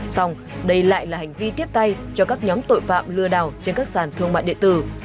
xong đây lại là hành vi tiếp tay cho các nhóm tội phạm lừa đảo trên các sàn thương mại điện tử